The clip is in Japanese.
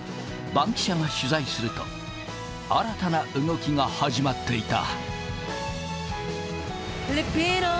バンキシャが取材すると、新たな動きが始まっていた。